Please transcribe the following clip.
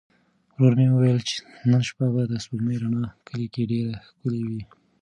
ورور مې وویل نن شپه به د سپوږمۍ رڼا کلي کې ډېره ښکلې وي.